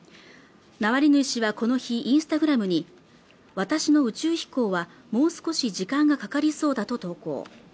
ナワリヌイ氏はこの日インスタグラムに私の宇宙飛行はもう少し時間がかかりそうだと投稿